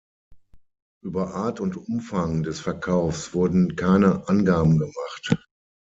Über Art und Umfang des Verkaufs wurden keine Angaben gemacht.